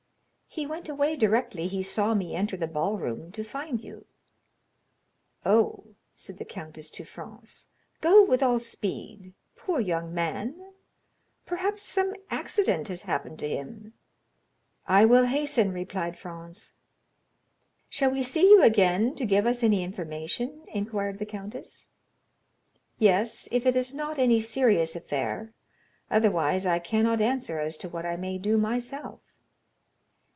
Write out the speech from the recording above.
"He went away directly he saw me enter the ball room to find you." "Oh," said the countess to Franz, "go with all speed—poor young man! Perhaps some accident has happened to him." "I will hasten," replied Franz. "Shall we see you again to give us any information?" inquired the countess. "Yes, if it is not any serious affair, otherwise I cannot answer as to what I may do myself."